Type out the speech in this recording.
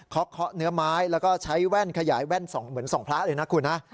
เขาเคาะเนื้อไม้แล้วก็ใช้แว่นขยายแว่นเหมือนส่องพระเลยนะคุณนะ